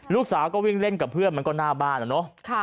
ลูกสาวก็วิ่งเล่นกับเพื่อนมันก็หน้าบ้านอะเนาะ